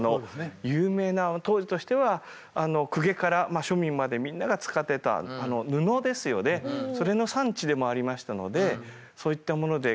有名な当時としては公家から庶民までみんなが使ってた布ですよねそれの産地でもありましたのでそういったもので謙信。